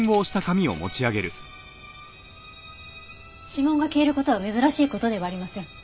指紋が消える事は珍しい事ではありません。